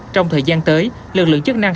trong thời gian tới lực lượng chức năng